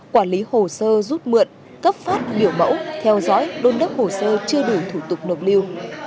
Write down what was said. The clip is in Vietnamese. quản lý hồ sơ rút mượn cấp phát biểu mẫu theo dõi đôn đốc hồ sơ chưa đủ thủ tục nộp lưu